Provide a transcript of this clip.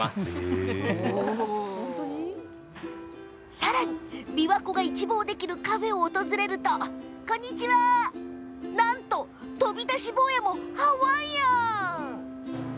さらに、琵琶湖が一望できるカフェを訪れるとなんと、飛び出し坊やもハワイアン！